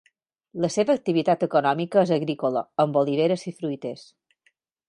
La seva activitat econòmica és agrícola, amb oliveres i fruiters.